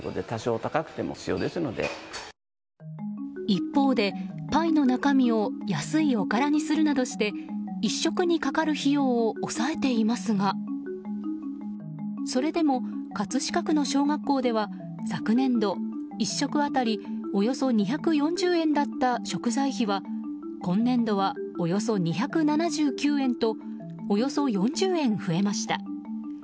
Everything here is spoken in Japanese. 一方で、パイの中身を安いオカラにするなどして１食にかかる費用を抑えていますがそれでも葛飾区の小学校では昨年度１食当たりおよそ２４０円だった食材費は今年度はおよそ２７９円とおよそ４０円増えました。